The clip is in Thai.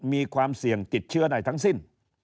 มีความเสี่ยงติดเชื้อได้ทั้งสิ้น